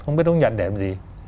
không biết ông nhận để làm gì